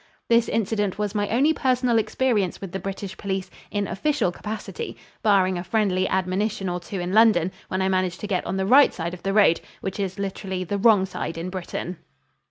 This incident was my only personal experience with the British police in official capacity, barring a friendly admonition or two in London when I managed to get on the right side of the road which is literally the wrong side in Britain.